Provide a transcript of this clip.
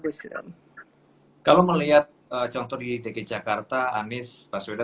kalau ini itu menurutnya enggak bagus kalau melihat contoh di dg jakarta anies fasweda